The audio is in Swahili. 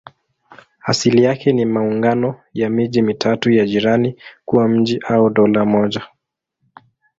Asili yake ni maungano ya miji mitatu ya jirani kuwa mji au dola moja.